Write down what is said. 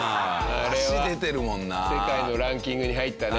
あれは世界のランキングに入ったね。